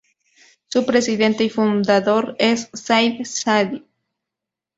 Su presidente y fundador es Saïd Saadi.